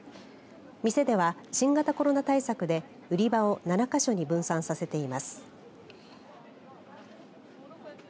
店では、新型コロナ対策で売り場を７か所に分散させています。